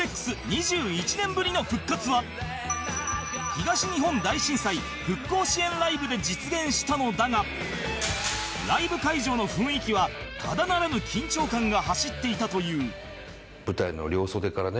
東日本大震災復興支援ライブで実現したのだがライブ会場の雰囲気はただならぬ緊張感が走っていたという